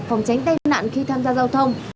phòng tránh tai nạn khi tham gia giao thông